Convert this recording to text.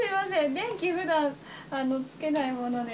電気ふだん、つけないもので。